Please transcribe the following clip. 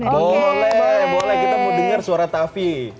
boleh boleh kita mau dengar suara tavi